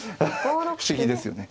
不思議ですよね。